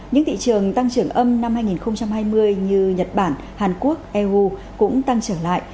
những thị trường tăng trưởng âm năm hai nghìn hai mươi như nhật bản hàn quốc eu cũng tăng trở lại